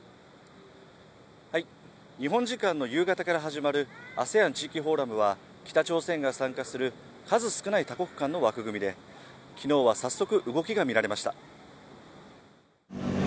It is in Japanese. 日本時間の夕方から始まるＡＳＥＡＮ地域フォーラムは、北朝鮮が参加する数少ない多国間の枠組みで、昨日は早速、動きが見られました。